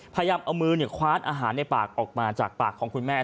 พยายามเอามือคว้านอาหารในปากออกมาจากปากของคุณแม่